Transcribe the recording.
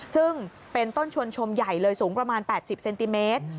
ซึ่งเป็นต้นชวนชมใหญ่เลยสูงประมาณ๘๐เซนติเมตร